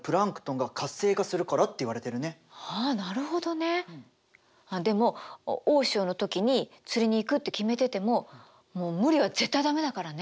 あなるほどね。あっでも大潮の時に釣りに行くって決めててももう無理は絶対駄目だからね。